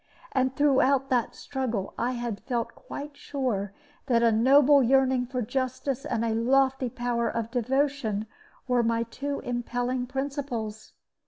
And throughout that struggle I had felt quite sure that a noble yearning for justice and a lofty power of devotion were my two impelling principles.